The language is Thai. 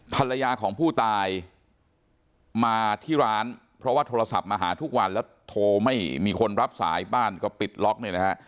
ภรรยาของผู้ตายมาที่ร้านเพราะว่าโทรศัพท์มาหาทุกวันแล้วโทรไม่มีคนรับสายบ้านก็ปิดล็อกเนี่ยนะฮะ